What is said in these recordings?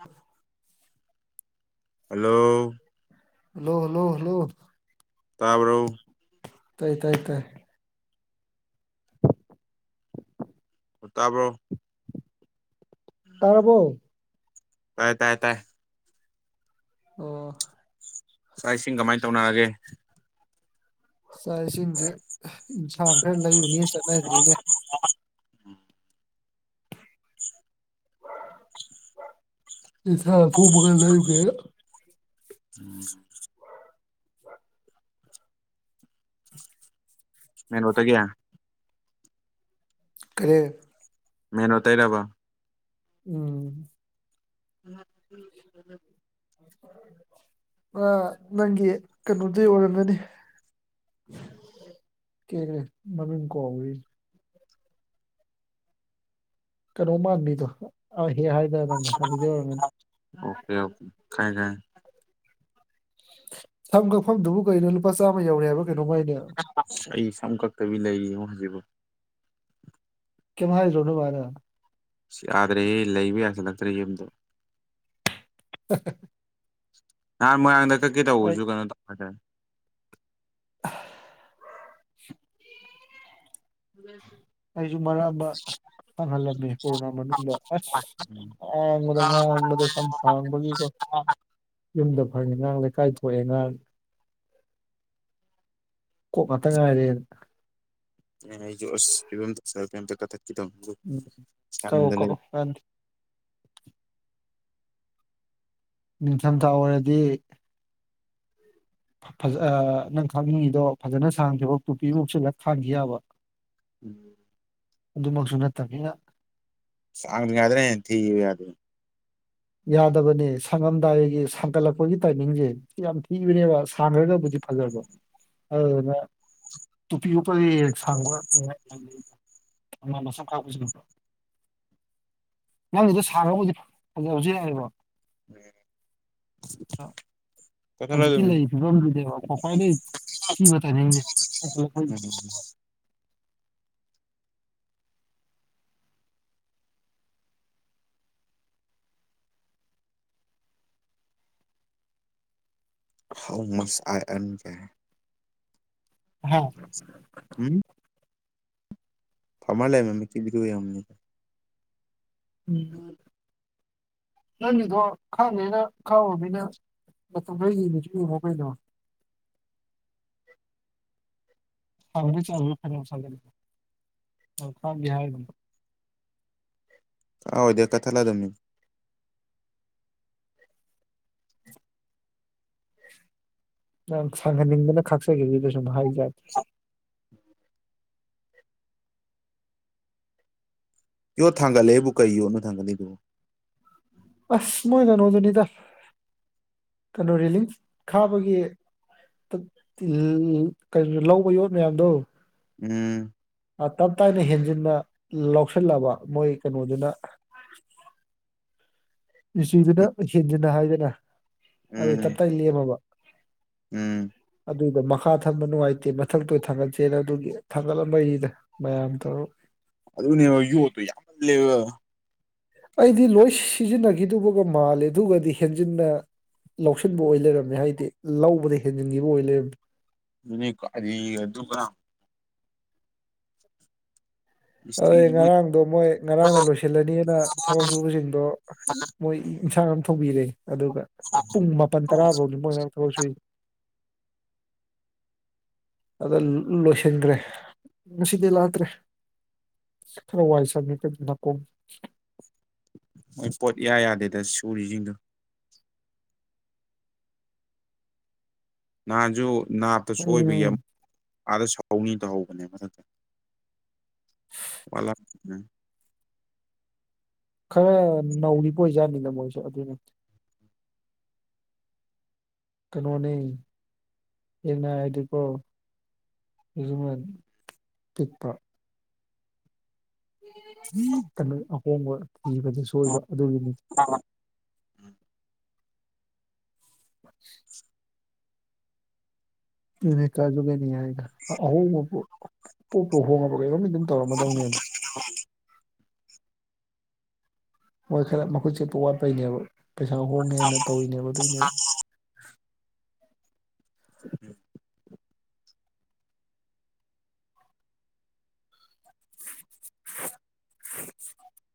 ꯑ [unintelligible] hello hello hello hello ꯇꯥꯕꯔꯣ ꯇꯥꯏ ꯇꯥꯏ ꯇꯥꯏ ꯇꯥꯕ꯭ꯔꯣ ꯇꯥꯔꯕꯣ ꯇꯥꯏ ꯇꯥꯏ ꯇꯥꯏ ꯑꯣ ꯆꯥꯛ ꯏꯁꯤꯡ ꯀꯃꯥꯏꯅ ꯇꯧꯅꯔꯒꯦ ꯆꯥꯛ ꯏꯁꯤꯡꯁꯦ ꯏꯟꯁꯥꯡ ꯈꯔ ꯂꯩꯕꯅꯦꯅ ꯆꯠꯅꯈꯔ꯭ꯤꯅꯦ ꯏꯟꯁꯥꯡ ꯑꯊꯣꯡꯕ ꯈꯔ ꯂꯩꯔꯨꯒꯦꯅ ꯎꯝ ꯀꯩꯅꯣꯗꯒꯤ ꯀꯔꯤ ꯃꯦꯦꯟꯣ ꯇꯥꯏꯔꯔꯕ ꯎꯝ ꯎꯝ ꯎꯝ ꯑ ꯅꯪꯒꯤ ꯀꯩꯅꯣꯗꯤ ꯑꯣꯏꯔꯝꯒꯅꯤ ꯀꯩ ꯀꯦ ꯃꯃꯤꯡ ꯀꯧꯔꯤ ꯀꯩꯅꯣ ꯃꯥꯟꯕꯤꯗꯣ ꯑ ꯍꯦꯛ ꯍꯥꯏꯗꯔ ꯅꯪꯅ ꯑꯗꯨꯗꯤ ꯑꯣꯏꯔꯝꯒꯅꯤ ꯑꯣꯀꯦ ꯑꯣꯦ ꯊꯥꯏꯖꯥꯏ ꯁꯝ ꯀꯛꯐꯝꯗꯨꯕꯨ ꯀꯩꯅꯣ ꯂꯨꯄꯥ ꯆꯥꯝꯃ ꯌꯧꯔꯦ ꯍꯥꯏꯕ ꯀꯩꯅꯣ ꯃꯥꯏꯅꯦꯕ ꯑꯩ ꯁꯝ ꯀꯛꯇꯕꯤ ꯂꯩꯔꯤꯉꯣ ꯍꯧꯖꯤꯛꯕꯨ ꯀ ꯃꯥꯦꯁꯨꯣꯅꯅꯨꯡ ꯃꯥꯦꯅ ꯌꯥꯗ꯭ꯔꯦꯍ ꯂꯩꯕ ꯌꯥꯁꯤꯜꯂꯛꯇ꯭ꯔꯦ ꯌꯨꯝꯗꯣ ꯍ ꯅꯍꯥꯟ ꯃꯣꯏꯥꯡꯗ ꯀꯩꯀꯩ ꯑꯩ ꯇꯧꯕꯔꯁꯨ ꯀꯩꯅꯣ ꯇꯧꯗꯔꯦ [inaudible] ꯎꯝ ꯍꯝ ꯑꯩꯁꯨ ꯃꯔꯥꯕ ꯐꯪꯍꯜꯂꯝꯃꯦ ꯀꯣꯔꯣꯅꯥ ꯃꯅꯨꯡꯗ ꯑꯁ ꯎꯝ ꯑ ꯃꯗꯪ ꯃꯗ ꯁ ꯍꯕꯒꯤꯀꯣ ꯌꯨꯝꯗ ꯐꯪꯉꯦ ꯑꯥꯡ ꯂꯩꯀꯥꯏ ꯊꯣꯛꯑꯦ ꯉꯥꯡ ꯃ ꯃꯇꯝꯪ ꯉꯥꯏꯔꯦ ꯑꯩꯁꯨ ꯑꯁ ꯐꯤꯕꯝꯗ ꯀꯩꯝꯇ ꯀꯊꯠꯈꯤꯗꯕ ꯎꯝ ꯀꯧꯑꯣ ꯀꯛꯑꯣ ꯅꯤꯡꯊꯝꯊꯥ ꯑꯣꯏꯔꯗꯤ ꯐꯖ ꯅꯪ ꯈꯥꯡꯅꯤꯡꯉꯤꯗꯣ ꯐꯖꯅ ꯁꯥꯡꯈꯤꯕꯈꯤꯕ ꯇꯨꯄꯤꯐꯥꯎꯁꯨꯂꯛ ꯈꯥꯡꯈꯤ ꯌꯥꯕ ꯎꯝ ꯑꯗꯨꯃꯛꯁꯨ ꯅꯠꯇꯝꯅꯤꯅ [unintelligible] ꯍꯦꯟꯅꯥ ꯊꯤꯌꯦ ꯌꯥꯗꯦ ꯌꯥꯗꯕꯅꯦ ꯁꯪꯉꯝꯗꯥꯏꯒꯤ ꯁꯥꯡꯒꯠꯂꯛꯄꯒꯤ ꯇꯥꯏꯃꯤꯡꯖꯦ ꯁꯤ ꯌꯥꯝ ꯊꯤꯕꯅꯦꯕ ꯁꯥꯡꯈ꯭ꯔꯒꯕꯨꯗꯤ ꯐꯖꯕ ꯑꯗꯨꯗꯨꯅ ꯇꯣꯄꯤ ꯎꯞꯄ [unintelligible] [unintelligible] ꯅꯪꯒꯤꯗꯣ ꯁꯥꯡꯕ ꯍꯧꯖꯤꯛ ꯌꯥꯔꯤꯕ ꯍꯧꯖꯤꯛꯀꯤ ꯂꯩꯔꯤ [unintelligible] ꯐꯤꯕꯝꯗꯨꯅꯦꯕ ꯈ꯭ꯋꯥꯏꯗꯒꯤ ꯊꯤꯕ ꯇꯥꯏꯃꯤꯡꯁꯦ ꯁꯥꯡꯒꯠꯂꯛꯄꯩ [unintelligible] ꯍꯥꯎ ꯃꯁ ꯑꯥꯏ ꯑꯦꯝ [unintelligible] ꯍꯥ ꯎꯝ ꯐꯥꯃꯔ ꯂꯥꯏꯔꯦꯟ ꯃꯃꯤꯠꯀꯤ ꯕꯤꯗꯤꯌꯣ ꯌꯦꯡꯉꯝꯃꯤꯅꯤ꯫ ꯎꯝ ꯅꯪꯒꯤꯗꯣ ꯈꯪꯗꯦꯅ ꯈꯥꯎꯔꯨꯒꯤꯅꯨ ꯃꯇꯝ ꯈꯔ ꯌꯦꯡꯒꯦꯁꯨ ꯌꯦꯡꯉꯣ ꯀꯩꯅꯣ꯫ [unintelligible] [unintelligible] ꯌꯥꯝ ꯁꯥꯡꯍꯟꯅꯤꯡꯗꯅ ꯈꯥꯛꯆꯒꯤꯕꯗꯨꯗ ꯁꯨꯝ ꯍꯥꯏꯔꯤꯖꯥꯠꯅꯤ꯫ [unintelligible] ꯀꯣ ꯊꯥꯡꯒꯠꯂꯦꯕꯨ ꯀꯩ ꯌꯣꯠ ꯅꯣ ꯊꯥꯡꯒꯠꯂꯤꯕꯨ? ꯑꯁ ꯃꯣꯏ ꯀꯩꯅꯣꯗꯨꯅꯤꯗ ꯀꯩꯅꯣ ꯔꯦꯂꯤꯡ ꯈꯥꯕꯒꯤ ꯀꯩꯅ ꯂꯧꯕ ꯌꯣꯠ ꯃꯌꯥꯝꯗꯣ ꯎꯝ ꯇꯞ ꯇꯥꯏꯅ ꯍꯦꯟꯖꯤꯟꯅ ꯂꯧꯁꯤꯜꯂꯕ ꯃꯣꯏ ꯀꯩꯅꯣꯗꯨꯅ ꯃꯤꯁꯇ꯭ꯔꯤꯗꯨꯅ ꯎꯝ ꯍꯦꯟꯖꯤꯟꯅ ꯍꯥꯏꯗꯅ ꯑꯗꯩ ꯎꯝ ꯇꯞꯇꯥꯏ ꯂꯦꯝꯃꯕ꯫ ꯎꯝ ꯑꯗꯨꯏꯗꯣ ꯃꯈꯥ ꯊꯝꯕ ꯅꯨꯡꯉꯥꯏꯇꯦ ꯃꯊꯛꯇ ꯑꯣꯏ ꯊꯥꯡꯒꯠꯁꯦꯅ ꯑꯗꯨꯒꯤ ꯊꯥꯡꯒꯠꯂꯝꯕꯩꯅꯤꯗ꯫ ꯃꯌꯥꯝ ꯇꯧꯔ ꯑꯗꯨꯅꯦꯕ ꯌ‌ꯣꯠꯇ‌ꯣ ꯌꯥꯝ ꯂꯩꯕ ꯑꯩꯗꯤ ꯂꯣꯏ ꯁꯤꯖꯤꯟꯅꯒꯤꯗꯨꯕꯒ ꯃꯥꯜꯂꯦ ꯑꯗꯨꯒꯗꯤ ꯍꯦꯟꯖꯤꯟꯅ ꯂꯧꯁꯤꯟꯕ ꯑꯣꯏ ꯂꯩꯔꯝꯃꯦ ꯍꯥꯏꯗꯤ ꯂꯧꯕꯗ ꯍꯦꯟꯖꯤꯟꯒꯤꯕ ꯑꯣꯏ ꯂꯩꯔꯝꯃꯦ꯫ [unintelligible] ꯑꯩ ꯃꯤꯁꯇ꯭ꯔꯤꯁꯤꯡꯗꯣ ꯉꯔꯥꯡꯗꯣ ꯃꯣꯏ ꯉꯔꯥꯡꯅ ꯂꯣꯏꯁꯤꯜꯂꯅꯤꯅ ꯊꯕꯛ ꯁꯨꯕꯁꯤꯡꯗꯣ ꯃꯣꯏ ꯏꯟꯁꯥꯡ ꯑꯃ ꯊꯣꯡꯕꯤꯔꯦ ꯑꯗꯨꯒ ꯄꯨꯡ ꯃꯥꯄꯜ ꯇꯔꯥ ꯐꯧꯅꯤ ꯃꯣꯏꯅ ꯉꯔꯥꯡ ꯊꯕꯛ ꯁꯨꯏꯁꯤ꯫ ꯑꯗ ꯂꯣꯏꯁꯤꯟꯒ꯭ꯔꯦ ꯉꯁꯤꯗꯤ ꯂꯥꯛꯇ꯭ꯔꯦ꯫ ꯈꯔ ꯋꯥꯏ ꯁꯪꯉꯤ ꯅꯥꯀꯣꯡ ꯍꯣꯏ ꯄꯣꯠ ꯏꯌꯥ ꯌꯥꯗꯦꯗ ꯁꯨꯔꯤꯁꯤꯡꯗꯣ꯫ ꯅꯍꯥꯟꯖꯨ ꯅꯥꯞꯇ ꯁꯣꯏꯕꯒꯤ ꯎꯝ ꯑꯃꯨꯛ ꯑꯥꯗ ꯁꯍꯧꯅꯤ ꯇꯧꯍꯧꯕꯅꯦ ꯃꯊꯛꯇ꯫ [unintelligible] ꯈꯔ ꯅꯧꯔꯤꯕ ꯑꯣꯏꯖꯥꯠꯅꯤꯅ ꯃꯣꯏꯖꯨ ꯑꯗꯨꯅꯅꯤ꯫ ꯀꯩꯅꯣꯅꯦ ꯌꯦꯡꯅꯔꯗꯤꯀꯣ ꯑꯩꯖꯨ ꯃꯥꯜꯂꯤ ꯄꯤꯛꯄ ꯀꯩꯅꯣ ꯑꯍꯣꯡꯕ ꯊꯤꯕꯗꯁꯦꯏꯕ ꯑꯗꯨꯒꯤꯅꯤ꯫ [unintelligible] [unintelligible] ꯑꯍꯣꯡꯕ ꯄꯣꯠ ꯄꯣꯠꯄꯨ ꯍꯣꯡꯉꯕ ꯀꯩꯅꯣꯝꯗꯤ ꯑꯗꯨꯝ ꯇꯧꯔꯝꯃꯗꯧꯅꯦꯗꯣ꯫ ꯃꯣꯏ ꯈꯔ ꯃꯈꯨꯠ ꯆꯦꯠꯄ ꯋꯥꯠꯄꯩꯅꯦꯕ ꯄꯩꯁꯥ ꯍꯣꯡꯉꯦꯅ ꯇꯧꯔꯤꯅꯦꯕ ꯑꯗꯨꯏꯅꯦꯕ꯫ [unintelligible] [unintelligible]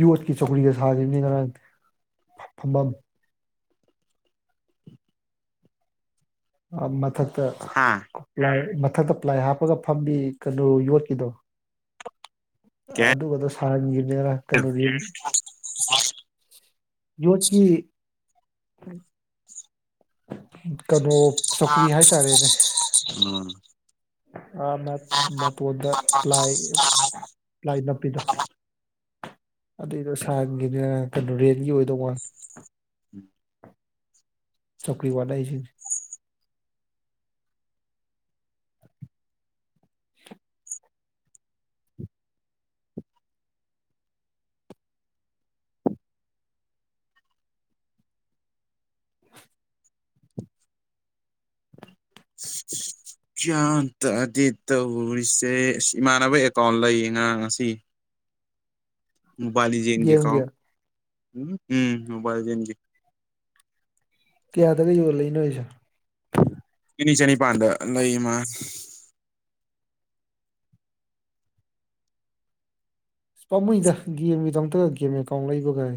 ꯌꯣꯠꯀꯤ ꯆꯧꯀ꯭ꯔꯤꯗ ꯁꯥꯔꯤꯕꯅꯤ ꯉꯔꯥꯡ ꯐꯝꯕꯝ꯫ ꯑꯥ ꯃꯊꯛꯇ ꯍꯥ ꯃꯊꯛꯇ ꯄ꯭ꯂꯥꯏ ꯍꯥꯞꯄꯒ ꯐꯝꯕꯤ ꯀꯩꯅꯣ ꯌꯣꯠꯀꯤꯗꯣ ꯑꯥ ꯀꯩ ꯑꯗꯨꯒꯗꯣ ꯁꯥꯍꯟꯒꯤꯕꯅꯤ ꯉꯔꯥꯡ ꯀꯩꯅꯣꯒꯤ [unintelligible] ꯌ‌‌ꯣꯠꯀꯤ ꯀꯩꯅꯣ ꯁꯧꯀ꯭ꯔꯤ ꯍꯥꯏꯇꯥꯔꯦꯅꯦ꯫ ꯎꯝ ꯑ ꯃ ꯑꯣꯗ ꯄ꯭ꯂꯥꯏ ꯄꯥꯏ ꯅꯄꯤꯗꯣ꯫ ꯑꯗꯨꯏꯗꯣ ꯁꯥꯡꯒꯤꯅꯤꯅ ꯀꯩꯅꯣ ꯔꯦꯟꯒꯤ ꯑꯣꯏꯗꯧ ꯃꯥꯜꯂ‌ꯦ꯫ ꯎꯝ꯫ ꯆꯧꯀ꯭ꯔꯤ ꯋꯥꯅꯩꯖ‌ꯤꯅꯤ꯫ [unintelligible] ꯁꯤ ꯁꯤ ꯁꯤꯠ ꯀ꯭ꯌꯥꯟ ꯇꯗꯦꯠ ꯇꯧꯔꯤꯁꯦ ꯏꯃꯥꯟꯅꯕ ꯑꯦꯀꯥꯎꯟ ꯂꯩꯌꯦ ꯉꯔꯥꯡ ꯉꯁꯤ꯫ ꯃꯣꯕꯥꯏꯜ ꯂꯤꯖꯦꯟꯒꯤ ꯑꯦꯀꯥꯎꯟ ꯒꯦꯝꯒꯤ ꯎꯝ ꯃꯣꯕꯥꯏꯜ ꯂꯤꯖꯦꯟꯒꯤ ꯀꯌꯥꯗꯒ ꯌꯣꯜꯂ ꯂꯩꯅꯔꯤꯖꯦ꯫ ꯆꯤꯅꯤ ꯆꯅꯤꯄꯥꯟꯗ ꯂꯩ ꯃꯥ꯫ ꯑ ꯄꯥꯝꯃꯨꯗ ꯒꯦꯝꯒꯤꯗꯃꯛꯇ ꯒꯦꯝ ꯑꯦꯀꯥꯎꯟ ꯂꯩꯕꯒꯥꯏ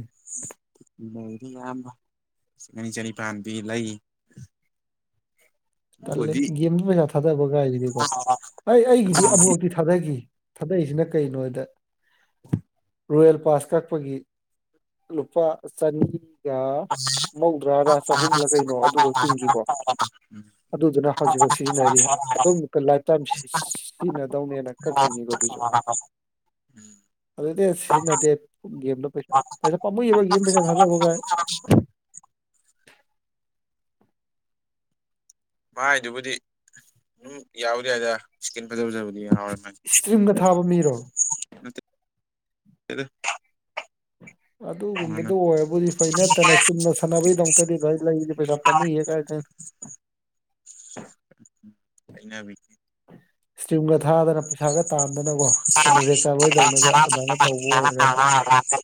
ꯂꯩꯔꯤ ꯑꯌꯥꯝꯕꯁꯤꯡ ꯑꯅꯤ ꯆꯅꯤꯄꯥꯟꯗꯤ ꯂꯩ ꯇꯜꯂꯦ ꯑꯗꯨꯕꯨꯗꯤ ꯒꯦꯝꯁꯨ ꯄꯩꯁꯥ ꯊꯥꯗꯕ ꯀꯥꯏꯒꯤꯗꯤꯀꯣ ꯑꯩ ꯑꯩꯒꯤꯗꯤ ꯑꯗꯨꯝ ꯑꯃꯨꯨꯔꯛꯇꯤ ꯊꯥꯗꯈꯤ ꯊꯥꯗꯏꯁꯤꯅ ꯀꯩꯅꯣ ꯍꯥꯏꯗ ꯔꯣꯌꯦꯜ ꯄꯥꯁ ꯀꯛꯄꯒꯤ ꯂꯨꯄꯥ ꯆꯅꯤꯒ ꯃꯧꯗ꯭ꯔꯥꯒ ꯆꯍꯨꯝꯂ ꯀꯩꯅꯣ ꯑꯗꯨꯒ ꯇꯤꯡꯈꯤꯀꯣ ꯋ ꯑ ꯑꯗꯨꯗꯨꯅ ꯍꯧꯖꯤꯛꯐꯥꯎ ꯁꯤꯖꯤꯟꯅꯔꯤ ꯑꯗꯨꯝ ꯂꯥꯏꯐ ꯇꯥꯏꯝ ꯁꯤꯖꯤꯟꯅꯗꯧꯅꯦꯅ ꯀꯛꯈꯤꯕꯅꯤꯀꯣ ꯑꯗꯨꯁꯨ [unintelligible] [unintelligible] [unintelligible] ꯑꯗꯨꯗꯤ ꯁꯤꯖꯤꯟꯅꯗꯦ ꯒꯦꯝꯗꯣ ꯄꯩꯁꯥ ꯄꯩꯁꯥ ꯄꯥꯝꯃꯏꯕ ꯒꯦꯝ ꯄꯩꯁꯥ ꯊꯥꯗꯣꯛꯑꯒ ꯃꯥꯏꯗꯨꯕꯨꯗꯤ ꯑꯗꯨꯝ ꯌꯥꯕꯨꯗꯤ ꯌꯥꯏꯗ꯫ ꯏꯁꯀꯤꯟ ꯐꯖ ꯐꯖꯕꯗꯤ ꯌꯥꯍꯧꯋ‌ꯦ ꯃꯥꯏ ꯏꯁꯇ꯭ꯔꯤꯝꯒ ꯊꯥꯕ ꯃꯤꯔꯣ ꯐꯗ ꯑꯗꯨꯒꯨꯝꯕꯗꯨ ꯑꯣꯏꯔꯕꯨꯗꯤ ꯐꯩ ꯅꯠꯇꯅ ꯆꯨꯝꯅ ꯁꯥꯟꯅꯕꯩꯗꯃꯛꯇꯗꯤ ꯚꯥꯏ ꯂꯩꯗꯤ ꯄꯩꯁꯥ ꯄꯥꯝꯃꯨꯏꯌꯦ ꯀꯥꯏꯗꯅ ꯑꯩꯅ ꯏꯁꯇ꯭ꯔꯤꯝꯒ ꯊꯥꯗꯅ ꯄꯩꯁꯥꯒ ꯇꯥꯟꯗꯅꯀꯣ꯫ ꯆꯣ ꯀꯩꯅꯣ ꯔꯦꯠ ꯆꯥꯕꯣꯏꯗꯧꯅꯒ ꯑꯗꯨꯃꯥꯏꯅ ꯆꯥꯔꯔꯅ ꯇꯧꯕ ꯑꯣꯏꯔꯒꯗꯤ ꯀꯥꯗ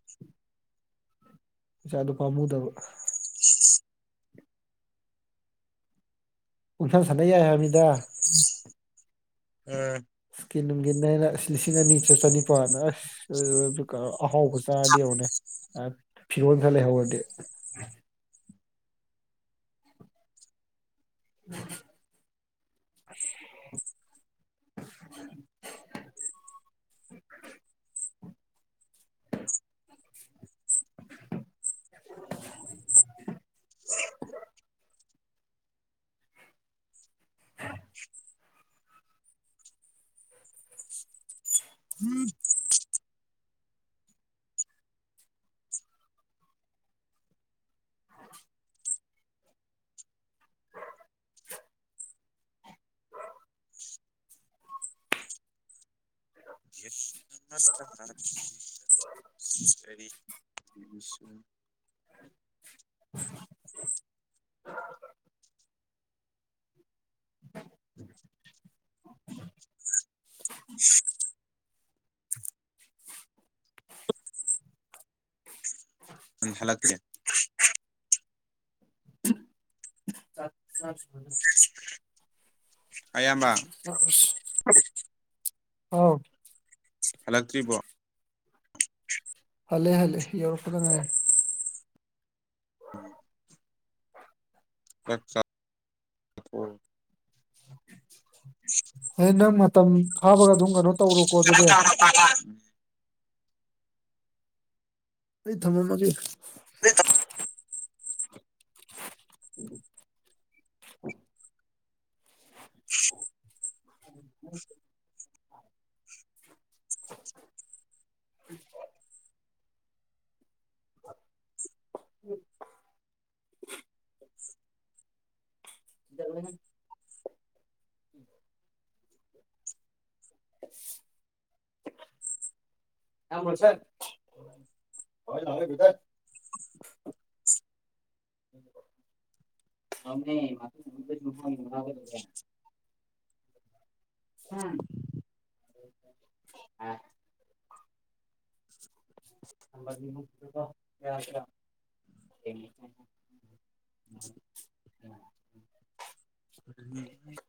ꯏꯆꯥꯗꯨ ꯄꯥꯝꯃꯨꯗꯕ [unintelligible] ꯎꯟꯁꯥꯡ ꯁꯥꯟꯅꯩ ꯌꯥꯏ ꯍꯥꯏꯃꯤꯗ ꯎꯝ ꯏꯁꯀꯤꯟ ꯅꯨꯡꯒꯤ ꯑ ꯂꯤꯁꯤꯡ ꯑꯅꯤ ꯆ ꯆꯅꯤꯄꯥꯟꯅ ꯑꯁ ꯑꯗꯨ ꯑꯍꯥꯎꯕ ꯆꯥꯔꯗꯤ ꯍꯧꯧꯛꯅꯦ ꯐꯤꯔꯣꯟ ꯈ ꯂꯩꯍꯧꯔꯗꯤ꯫ ꯎꯝ [unintelligible] [unintelligible] ꯎꯝ ꯑ [unintelligible] [unintelligible] ꯎꯝ ꯍꯜꯂꯥꯛꯇꯦ ꯁꯥꯐ ꯁꯃꯅ ꯑꯌꯥꯝꯕ ꯑꯣ ꯍꯜꯂꯛꯇ꯭ꯔꯤꯕꯣ ꯍꯂꯦ ꯍꯂꯦ ꯌꯧꯔꯛꯄꯗ ꯉꯥꯏꯔꯤ꯫ [unintelligible] ꯍ ꯅꯪ ꯃꯇꯝ ꯐꯥꯕꯒ ꯑꯗꯨꯝ ꯀꯩꯅꯣ ꯇꯧꯔꯣ [unintelligible] ꯑꯩ ꯊꯝꯃꯝꯃꯒꯤ [unintelligible] [unintelligible] [unintelligible] [unintelligible] [unintelligible] [unintelligible] [unintelligible]